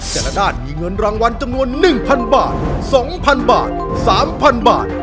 แต่ละด้านมีเงินรางวัลจำนวน๑๐๐บาท๒๐๐บาท๓๐๐บาท